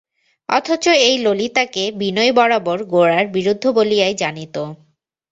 অথচ এই ললিতাকে বিনয় বরাবর গোরার বিরুদ্ধ বলিয়াই জানিত।